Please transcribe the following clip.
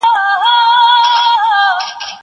زه به اوږده موده پلان جوړ کړی وم!!